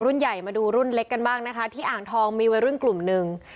รุ่นใหญ่มาดูรุ่นเล็กกันบ้างนะคะที่อ่างทองมีวัยรุ่นกลุ่มหนึ่ง